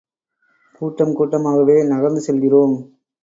கூட்டம் கூட்டமாகவே நகர்ந்து செல்கிறோம்.